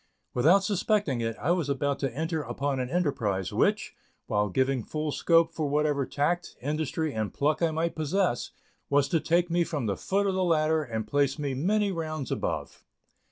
Without suspecting it, I was about to enter upon an enterprise, which, while giving full scope for whatever tact, industry and pluck I might possess, was to take me from the foot of the ladder and place me many rounds above.